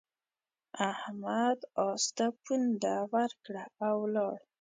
احمد اس ته پونده ورکړه او ولاړ.